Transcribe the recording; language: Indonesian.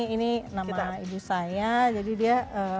ini nama ibu saya jadi dia